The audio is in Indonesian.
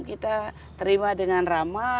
kita terima dengan ramah